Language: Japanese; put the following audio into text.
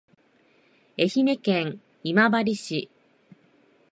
愛媛県今治市